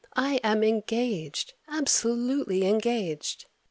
I am engaged, absolutely engaged.